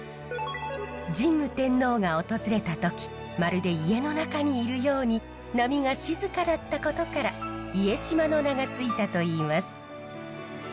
神武天皇が訪れた時まるで家の中にいるように波が静かだったことから家島の名が付いたといいます。